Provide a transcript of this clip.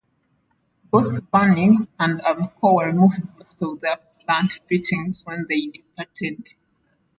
Both Bunnings and Alcoa removed most of their plant fittings when they departed.